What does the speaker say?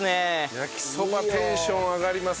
焼きそばテンション上がりますわ。